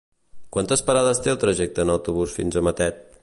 Quantes parades té el trajecte en autobús fins a Matet?